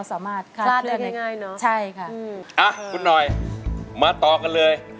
ปั๊ะมาม็ว